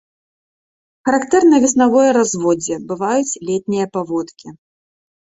Характэрна веснавое разводдзе, бываюць летнія паводкі.